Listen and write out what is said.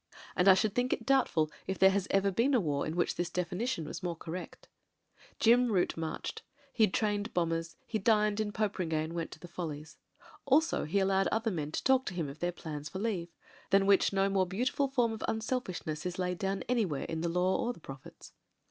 And I 282 MEN, WOMEN AND GUNS should think it doubtful if there has ever been a war in which this definition was more correct. Jim route marched: he trained bombers: he dined in Poperinghe and went to the Follies. Also, he al lowed other men to talk to him of their plans for leave : than which no more beautiful form of unselfishness is laid down an3rwhere in the Law or the Prophets.